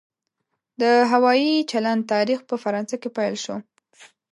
د هوایي چلند تاریخ په فرانسه کې پیل شو.